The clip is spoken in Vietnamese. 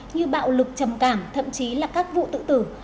như bạo lực trầm cảm thậm chí là các vụ tự tử